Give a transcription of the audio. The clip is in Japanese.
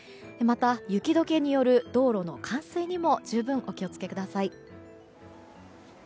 また雪解けによる道路の冠水にも十分お気を付けください。